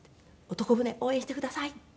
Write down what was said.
「『男船』応援してください」って。